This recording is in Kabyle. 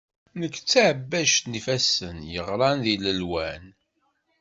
Nekk d taɛebbajt n yifassen, yeɣran di lelwan.